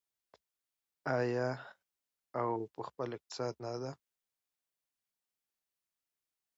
آیا او په خپل اقتصاد نه ده؟